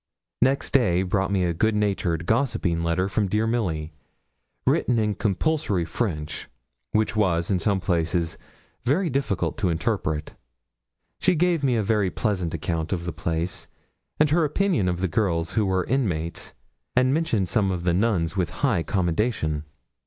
Next day brought me a goodnatured gossiping letter from dear Milly, written in compulsory French, which was, in some places, very difficult to interpret. She gave me a very pleasant account of the place, and her opinion of the girls who were inmates, and mentioned some of the nuns with high commendation.